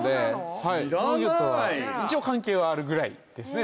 知らない一応関係はあるぐらいですね